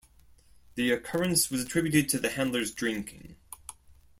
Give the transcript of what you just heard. The occurrence was attributed to the handler's drinking.